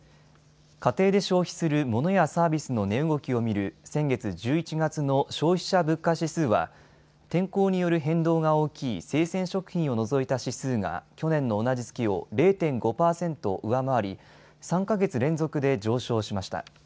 家庭で消費するモノやサービスの値動きを見る先月１１月の消費者物価指数は天候による変動が大きい生鮮食品を除いた指数が去年の同じ月を０．５％上回り３か月連続で上昇しました。